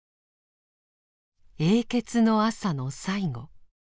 「永訣の朝」の最後。